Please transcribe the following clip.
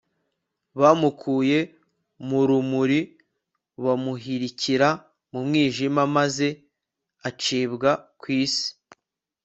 bamukuye mu rumuri bamuhirikira mu mwijima, maze acibwa ku isi